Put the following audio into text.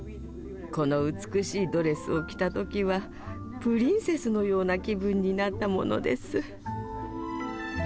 この美しいドレスを着た時はプリンセスのような気分になったものです。